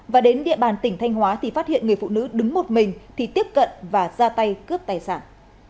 và đến địa bàn tỉnh thanh hóa thì phát hiện người phụ nữ đứng một mình thì tiếp cận và ra tay cướp tài sản